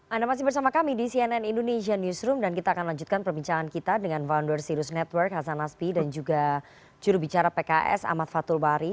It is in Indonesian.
anda masih bersama kami di cnn indonesia newsroom dan kita akan lanjutkan perbincangan kita dengan founder sirus network hasan naspi dan juga jurubicara pks ahmad fatul bari